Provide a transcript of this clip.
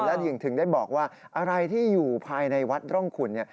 และหญิงถึงได้บอกว่าอะไรที่อยู่ภายในวัดร่องคุณ